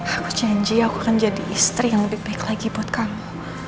aku janji aku akan jadi istri yang lebih baik lagi buat kamu